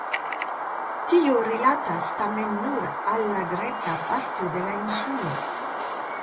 Tio rilatas tamen nur al la greka parto de la insulo.